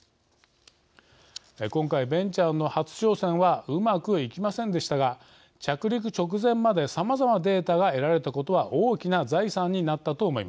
今回ベンチャーの初挑戦はうまくいきませんでしたが着陸直前までさまざまなデータが得られたことは大きな財産になったと思います。